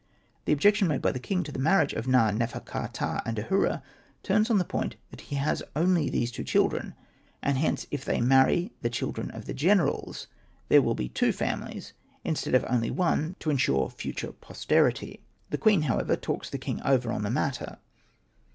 The objection made by the king to the marriage of Na.nefer.ka.ptah and Ahura turns on the point that he has only these two children, and hence, if they marry the children of the generals, there will be two families instead of only one to ensure future posterity. The queen, however, talks the king over on the matter.